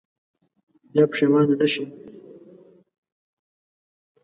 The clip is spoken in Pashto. بیا پښېمانه نه شئ.